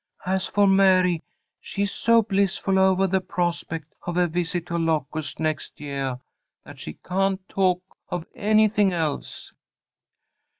As for Mary, she is so blissful ovah the prospect of a visit to Locust next yeah, that she can't talk of anything else."